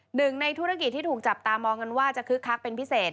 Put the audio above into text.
หนึ่งในธุรกิจที่ถูกจับตามองกันว่าจะคึกคักเป็นพิเศษ